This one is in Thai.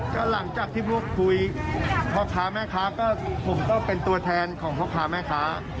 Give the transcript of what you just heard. ก็หลังจากที่พูดคุยพ่อค้าแม่ค้าก็ผมก็เป็นตัวแทนของพ่อค้าแม่ค้า